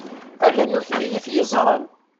Ala nutni i t-yeẓran.